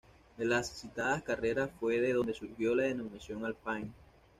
De las citadas carreras fue de donde surgió la denominación Alpine.